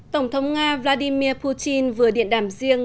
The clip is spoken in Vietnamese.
tổng thống nga vladimir putin vừa điện đàm riêng